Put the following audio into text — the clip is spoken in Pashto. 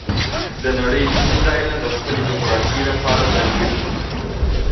د نړۍ ځینې ځایونه د خپلې جغرافیې لپاره ځانګړي دي.